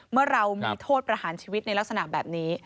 เมื่อเรามีโทษประหารชีวิตในลักษณะแบบนี้